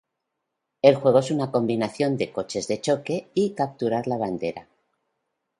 El juego es una combinación de coches de choque y capturar la bandera.